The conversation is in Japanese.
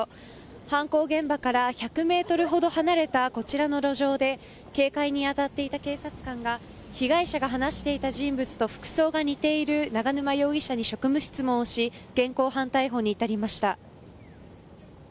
犯行現場から１００ｍほど離れたこちらの路上で警戒に当たっていた警察官が被害者が話していた人物と服装が似ている永沼容疑者に職務質問をし現行犯逮捕に至りました。